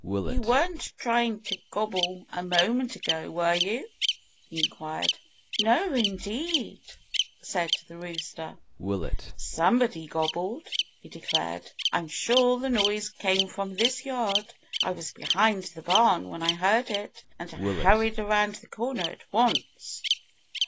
"You weren't trying to gobble a moment ago, were you?" he inquired. "No, indeed!" said the rooster. Turkey Proudfoot looked puzzled. "Somebody gobbled," he declared. "I'm sure the noise came from this yard. I was behind the barn when I heard it. And I hurried around the corner at once."